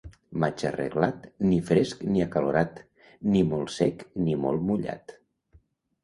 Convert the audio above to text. Maig arreglat, ni fresc ni acalorat, ni molt sec ni molt mullat.